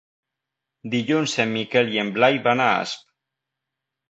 Dilluns en Miquel i en Blai van a Asp.